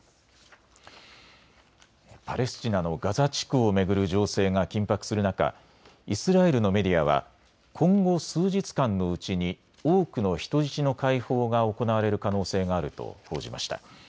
パレスチナのガザ地区を巡る情勢が緊迫する中、イスラエルのメディアは今後数日間のうちに多くの人質の解放が行われる可能性があると報じました。